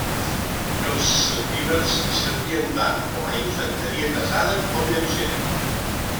Els celtibers servien tant com a infanteria pesada com lleugera.